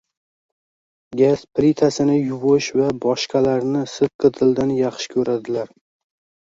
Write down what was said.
gaz plitasini yuvish va boshqalarni sidqidildan yaxshi ko‘radilar.